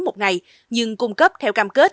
một ngày nhưng cung cấp theo cam kết